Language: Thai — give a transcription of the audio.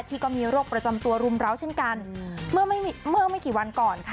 ที่ก็มีโรคประจำตัวรุมล้าวเมื่อกว่าไม่กี่วันก่อน